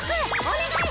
お願い！